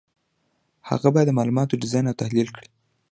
هغه باید معلومات ډیزاین او تحلیل کړي.